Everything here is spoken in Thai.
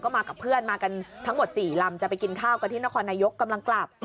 มากับเพื่อนมากันทั้งหมด๔ลำจะไปกินข้าวกันที่นครนายกกำลังกลับ